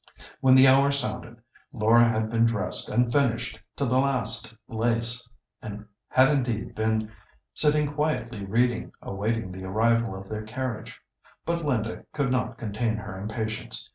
When the hour sounded, Laura had been dressed and finished to the last lace; had indeed been sitting quietly reading, awaiting the arrival of their carriage. But Linda could not contain her impatience.